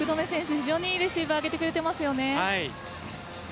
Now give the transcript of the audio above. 非常に良いレシーブを上げていますね。